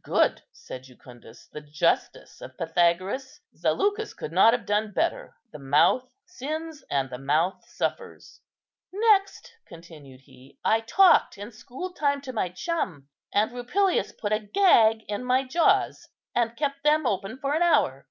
"Good," said Jucundus, "the justice of Pythagoras. Zaleuchus could not have done better. The mouth sins, and the mouth suffers." "Next," continued he, "I talked in school time to my chum; and Rupilius put a gag in my jaws, and kept them open for an hour."